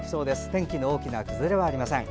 天気の大きな崩れはありません。